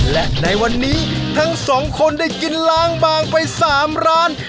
และในวันนี้ทั้งสองคนได้กินล้างบางไป๓ร้าน